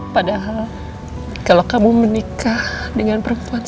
padahal kalau kamu menikah dengan perempuan